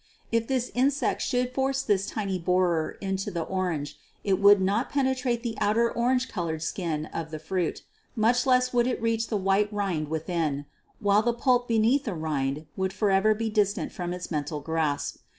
If this insect should force this tiny borer into the orange, it would not penetrate the outer orange colored skin of the fruit, much less would it reach the white rind within, while the pulp beneath the rind would forever be distant from its mental grasp.